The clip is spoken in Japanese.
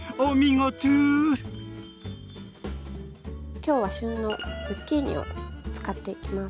今日は旬のズッキーニを使っていきます。